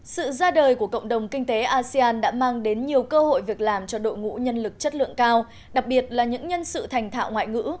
sự ra đời của cộng đồng kinh tế asean đã mang đến nhiều cơ hội việc làm cho đội ngũ nhân lực chất lượng cao đặc biệt là những nhân sự thành thạo ngoại ngữ